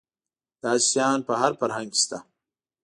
داسې شیان په هر فرهنګ کې شته.